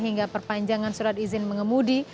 hingga perpanjangan surat izin mengemudi